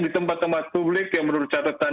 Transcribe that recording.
di tempat tempat publik yang menurut catatan